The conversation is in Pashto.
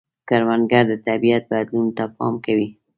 کروندګر د طبیعت بدلون ته پام کوي